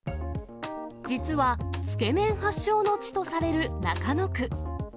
実はつけ麺発祥の地とされる中野区。